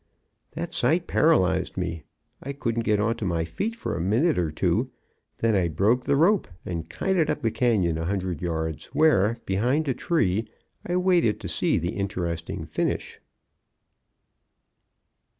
That sight paralyzed me; I couldn't get on to my feet for a minute or two, then I broke the rope and kited up the canyon a hundred yards, where behind a tree I waited to see the interesting finish.